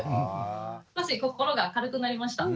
少し心が軽くなりました。